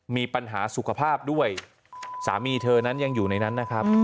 มีปัญหาสุขภาพด้วยสามีเธอนั้นยังอยู่ในนั้นนะครับ